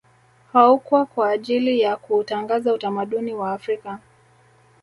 Haukwa kwa ajili ya kuutangaza utamaduni wa Afrika